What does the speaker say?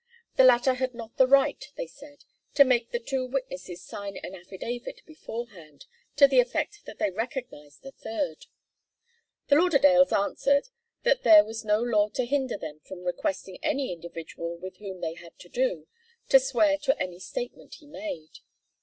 The latter had not the right, they said, to make the two witnesses sign an affidavit beforehand to the effect that they recognized the third. The Lauderdales answered that there was no law to hinder them from requesting any individual with whom they had to do, to swear to any statement he made.